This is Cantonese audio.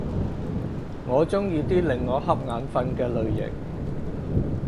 我鍾意啲令我瞌眼瞓嘅類型